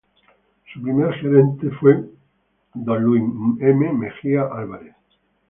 Su primer gerente fue don Luis M. Mejía Álvarez.